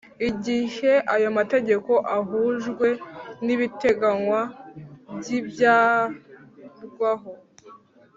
Igihe ayo mategeko ahujwe n’ibiteganywa byibandwaho